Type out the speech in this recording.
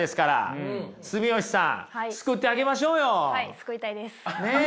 救いたいです。